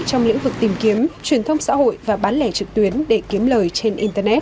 trong lĩnh vực tìm kiếm truyền thông xã hội và bán lẻ trực tuyến để kiếm lời trên internet